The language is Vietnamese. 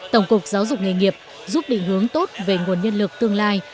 tổng cục giáo dục nghề nghiệp giúp định hướng tốt về nguồn nhân lực tương lai